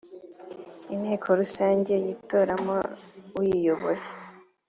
inteko rusange yitoramo uyiyobora.